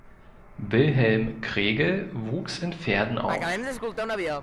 Wilhelm Kregel wuchs in Verden auf.